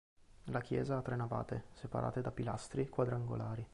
La chiesa ha tre navate, separate da pilastri quadrangolari.